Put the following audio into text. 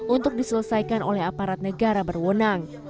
untuk diselesaikan oleh aparat negara berwenang